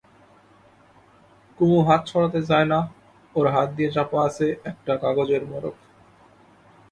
কুমু হাত সরাতে চায় না– ওর হাত দিয়ে চাপা আছে একটা কাগজের মোড়ক।